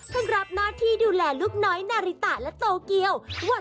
รับหน้าที่ดูแลลูกน้อยนาริตะและโตเกียว